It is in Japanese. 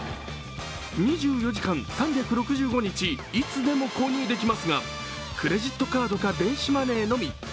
２４時間、３６５日、いつでも購入できますが、クレジットカードか電子マネーのみ。